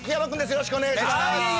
よろしくお願いします